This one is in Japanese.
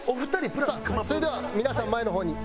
さあそれでは皆さん前の方に。